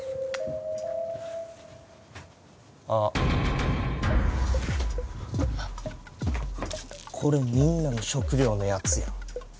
あっこれみんなの食料のやつやん